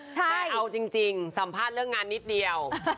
แต่เอาจริงสัมภาษณ์เรื่องงานนิดเดียว